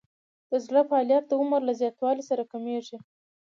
د زړه فعالیت د عمر له زیاتوالي سره کمیږي.